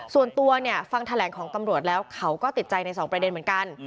ส่วนตัวเนี่ยฟังแถลงของตำรวจแล้วเขาก็ติดใจในสองประเด็นเหมือนกัน